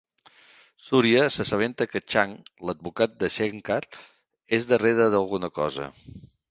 Surya s'assabenta que Chang, l'advocat de Shekhar, és darrere d'alguna cosa.